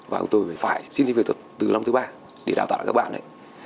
và chúng tôi phải xin thức về thuật từ năm thứ ba để đào tạo các bạn này